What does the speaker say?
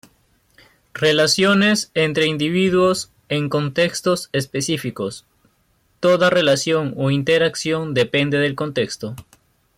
Relaciones entre individuos en contextos específicos: toda relación o interacción depende del contexto.